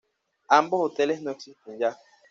Ambos hoteles no existen ya.